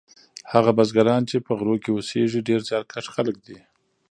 هغه بزګران چې په غرو کې اوسیږي ډیر زیارکښ خلک دي.